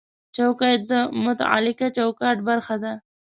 چوکۍ د متعلقه چوکاټ برخه ده.